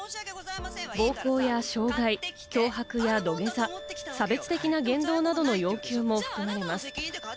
暴行や傷害、脅迫や土下座、差別的な言動などの要求も含まれます。